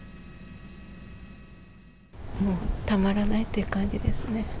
もう、たまらないっていう感じですね。